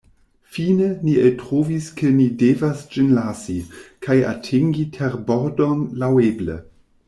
Fine, ni eltrovis ke ni devas ĝin lasi, kaj atingi terbordon laŭeble.